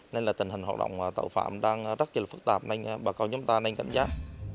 nên là tình hình hoạt động tội phạm đang rất là phức tạp nên bà con chúng ta nên cảnh giác